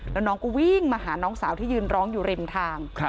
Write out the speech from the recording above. แล้วน้องก็วิ่งมาหาน้องสาวที่ยืนร้องอยู่ริมทาง